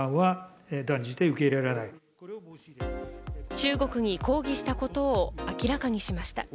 中国に抗議したことを明らかにしました。